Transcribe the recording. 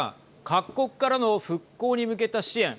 各国からの復興に向けた支援